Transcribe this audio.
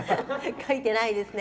書いてないですね。